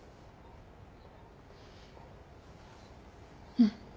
うん。